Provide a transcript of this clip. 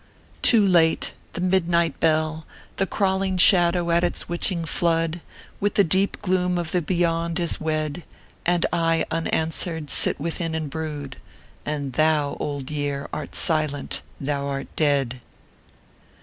" Too late ! The midnight bell The crawling shadow at its witching flood, "With the deep gloom of the Beyond is wed, And I, unanswered, sit within and brood, And thou, Old Year, art silent Thou art DEAD